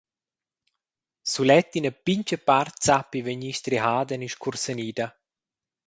Sulet ina pintga part sappi vegnir strihada ni scursanida.